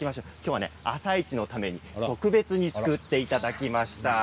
「あさイチ」のために特別に作っていただきました。